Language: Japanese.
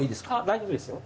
大丈夫ですよ。